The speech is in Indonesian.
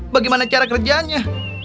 bagaimana cara kerjanya